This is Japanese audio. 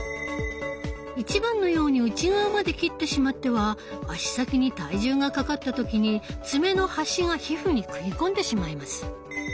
１番のように内側まで切ってしまっては足先に体重がかかった時に爪の端が皮膚に食い込んでしまいます。